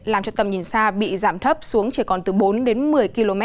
làm cho tầm nhìn xa bị giảm thấp xuống chỉ còn từ bốn đến một mươi km